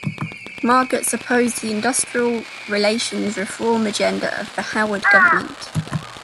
Margetts opposed the industrial relations reform agenda of the Howard Government.